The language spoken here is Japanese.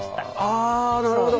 あなるほど。